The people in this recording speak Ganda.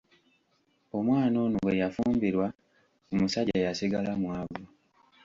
Omwana ono bwe yafumbirwa omusajja yasigala mwavu.